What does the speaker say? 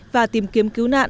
và tìm kiếm cứu năng lượng